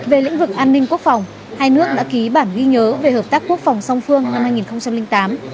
về lĩnh vực an ninh quốc phòng hai nước đã ký bản ghi nhớ về hợp tác quốc phòng song phương năm hai nghìn tám